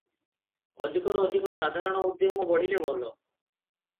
ଅଧିକରୁ ଅଧିକ ସାଧାରଣ ଉଦ୍ୟମ ବଢ଼ିଲେ ଭଲ ।